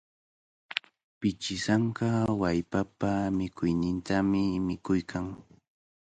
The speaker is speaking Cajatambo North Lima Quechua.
Pichisanka wallpapa mikuynintami mikuykan.